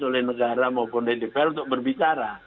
oleh negara maupun ddpr untuk berbicara